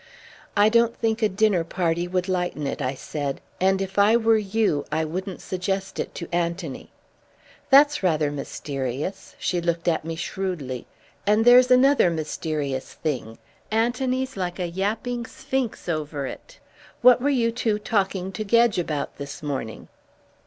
"I don't think a dinner party would lighten it," I said. "And if I were you, I wouldn't suggest it to Anthony." "That's rather mysterious." She looked at me shrewdly. "And there's another mysterious thing. Anthony's like a yapping sphinx over it. What were you two talking to Gedge about this morning?"